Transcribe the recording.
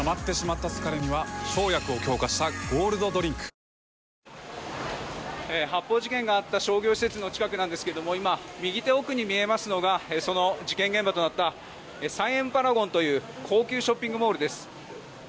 おいしい免疫ケア発砲事件があった商業施設の近くなんですけれども今、右手奥に見えますのがその事件現場となったサイアム・パラゴンという高級ショッピングモールです。